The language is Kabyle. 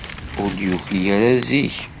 Ur d-yuki ara zik.